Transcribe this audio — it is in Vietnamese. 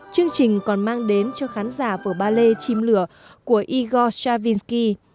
chương trình còn mang đến cho khán giả vở ballet chim lửa của igor shavinsky